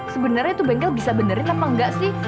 sebenarnya itu bengkel bisa benerin apa enggak sih